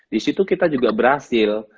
di situ kita juga berhasil